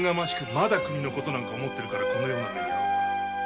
まだ国のことなど思ってるからこのような目に遭うのだ。